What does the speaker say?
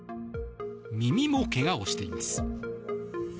耳もけがをしています。